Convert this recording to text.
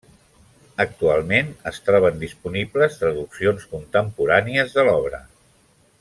Actualment es troben disponibles traduccions contemporànies de l'obra.